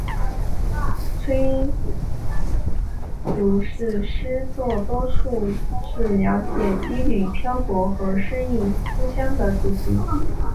崔涂是诗作多数是描写羁旅漂泊和失意思乡的主题。